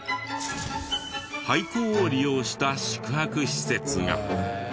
廃校を利用した宿泊施設が。